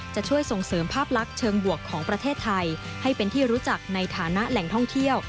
จะช่วยส่งเสริมภาพลักษณ์เชิงบวกของประเทศไทยให้เป็นที่รู้จักในฐานะแหล่งท่องเที่ยว